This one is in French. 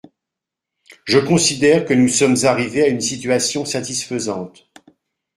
Je considère que nous sommes arrivés à une situation satisfaisante.